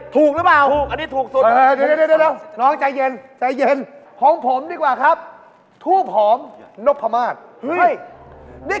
ถูกพวกเหลือพวกสารภูมิพวกได้